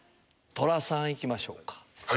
トラさん行きましょうか。